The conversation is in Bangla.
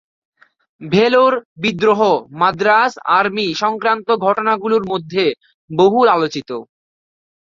ভেলোর বিদ্রোহ মাদ্রাজ আর্মি সংক্রান্ত ঘটনাগুলোর মধ্যে বহুল আলোচিত।